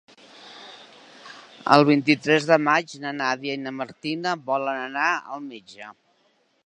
El vint-i-tres de maig na Nàdia i na Martina volen anar al metge.